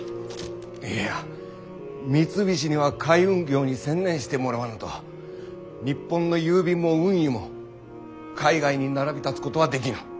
いや三菱には海運業に専念してもらわぬと日本の郵便も運輸も海外に並び立つことはできぬ。